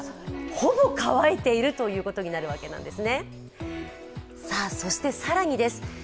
ほぼ乾いているということになるわけです。